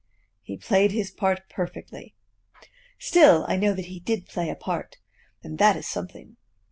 He played his part perfectly. Still, I know that he did play a part, and that is something.